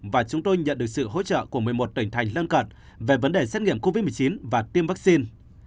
và chúng tôi nhận được sự hỗ trợ của một mươi một tỉnh thành lân cận về vấn đề xét nghiệm covid một mươi chín và tiêm vaccine